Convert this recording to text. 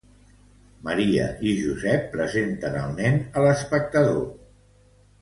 Maria i Josep presenten al Nen a l'espectador.